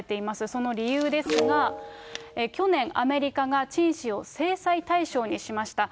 その理由ですが、去年、アメリカが陳氏を制裁対象にしました。